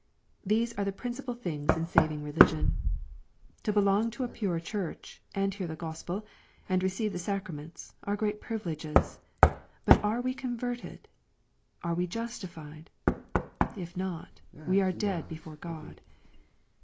These are the principal things in saving religion. To belong to a pure Church, and hear the Gospel, and receive the sacraments, are great privileges. But are we converted ? Are we justified ? If not, we are dead before God.